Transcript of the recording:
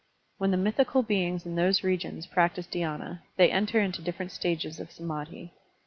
When the mythical beings in those regions practise dhy&na, they enter into different stages of sam^dhi.